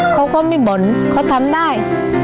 เขาก็ไม่บ่นเขาทำได้